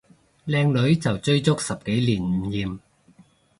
靚女就追足十幾年唔厭